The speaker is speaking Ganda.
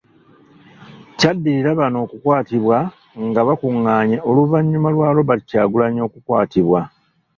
Kyaddirira bano okukwatibwa nga bakunganye oluvannyuma lwa Robert Kyagulanyi okukwatibwa.